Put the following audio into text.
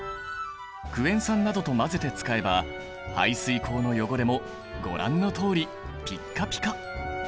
クエン酸などと混ぜて使えば排水口の汚れもご覧のとおりピッカピカ！